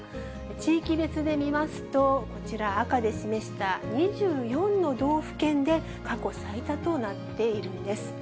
地域別で見ますと、こちら、赤で示した２４の道府県で、過去最多となっているんです。